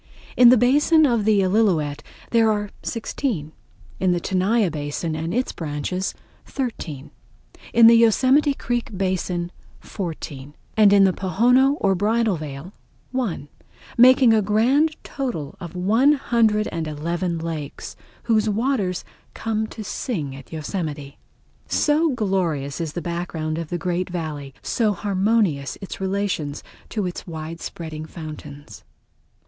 In the basin of the Illilouette there are sixteen, in the Tenaya basin and its branches thirteen, in the Yosemite Creek basin fourteen, and in the Pohono or Bridal Veil one, making a grand total of one hundred and eleven lakes whose waters come to sing at Yosemite. So glorious is the background of the great Valley, so harmonious its relations to its widespreading fountains.